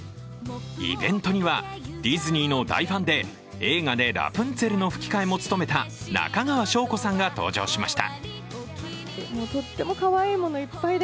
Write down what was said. イベントには、ディズニーの大ファンで、映画でラプンツェルの吹き替えも務めた中川翔子さんが登場しました。